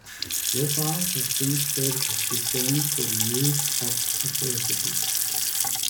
Lovaas has since stated his disdain for the use of aversives.